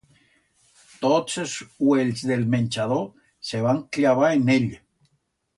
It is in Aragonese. Tots els uells d'el menchador se van cllavar en ell.